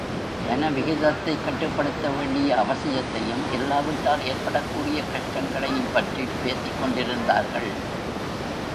ஜன விகிதத்தைக் கட்டுப்படுத்த வேண்டிய அவசியத்தையும், இல்லாவிட்டால் ஏற்படக்கூடிய கஷ்டங்களையும் பற்றிப் பேசிக் கொண்டிருந்தார்கள்.